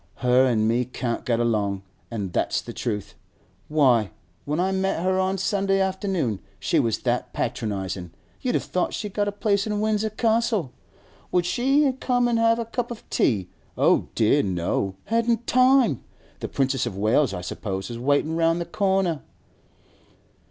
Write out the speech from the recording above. Her an' me can't get along, an' that's the truth. Why, when I met her on Sunday afternoon, she was that patronisin' you'd have thought she'd got a place in Windsor Castle. Would she come an' have a cup of tea? Oh dear, no! Hadn't time! The Princess of Wales, I suppose, was waitin' round the corner!